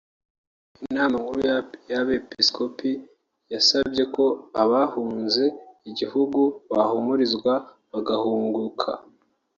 Inama nkuru y’Abepiskopi yasabye ko abahunze igihugu bohumurizwa bagahunguka